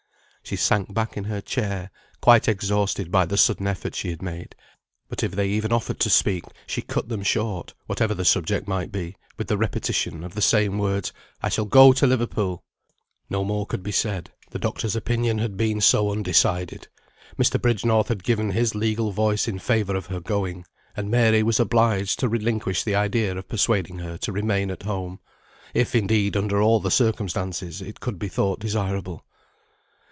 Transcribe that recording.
She sank back in her chair, quite exhausted by the sudden effort she had made; but if they even offered to speak, she cut them short (whatever the subject might be), with the repetition of the same words, "I shall go to Liverpool." No more could be said, the doctor's opinion had been so undecided; Mr. Bridgenorth had given his legal voice in favour of her going, and Mary was obliged to relinquish the idea of persuading her to remain at home, if indeed under all the circumstances it could be thought desirable.